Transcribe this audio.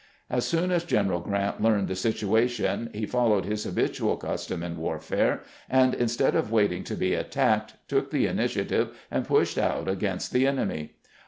As soon as General Grant learned the situation, he followed his habitual custom in warfare, and, instead of waiting to be attacked, took the initiative and pushed out against the enemy.